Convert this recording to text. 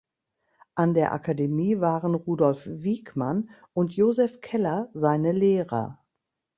An der Akademie waren Rudolf Wiegmann und Joseph Keller seine Lehrer.